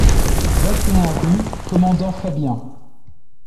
vingt et un rue Commandant Fabien